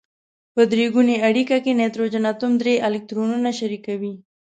په درې ګونې اړیکه کې نایتروجن اتوم درې الکترونونه شریکوي.